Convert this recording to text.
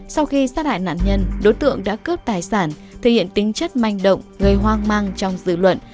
sau khi sát hại nạn nhân đối tượng đã cướp tài sản thể hiện tính chất manh động gây hoang mang trong dự luận